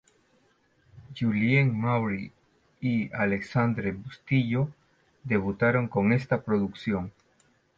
Julien Maury y Alexandre Bustillo debutaron con esta producción.